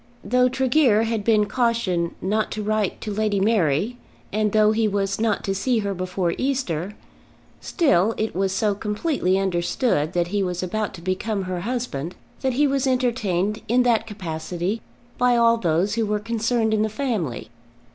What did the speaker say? Though Tregear had been cautioned not to write to Lady Mary, and though he was not to see her before Easter, still it was so completely understood that he was about to become her husband, that he was entertained in that capacity by all those who were concerned in the family.